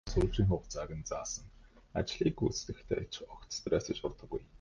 Сүүлчийн хугацааг нь заасан ажлыг гүйцэтгэхдээ ч огт стресст ордоггүй.